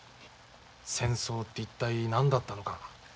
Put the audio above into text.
戦争って一体何だったのか。